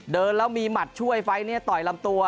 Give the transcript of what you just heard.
เดินแล้วมีหมัดช่วยไฟล์นี้ต่อยลำตัว